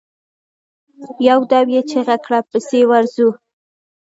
يودم يې چيغه کړه! پسې ورځو.